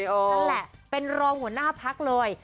นั่นแหละเป็นรองหัวหน้าพักเลย